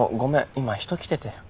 今人来てて。